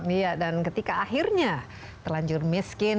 iya dan ketika akhirnya terlanjur miskin